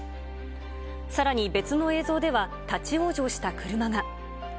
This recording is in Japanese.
さらに別の映像では、立往生した車が。